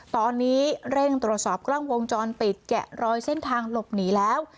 ตอนนี้เร่งตรวจสอบกล้องวงจรปิดแกะรอยเส้นทางหลบหนีแล้ว